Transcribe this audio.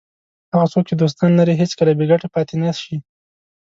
هغه څوک چې دوستان لري هېڅکله بې ګټې پاتې نه شي.